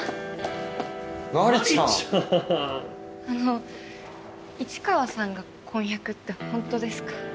あの市川さんが婚約ってほんとですか？